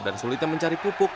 dan sulitnya mencapai kebutuhan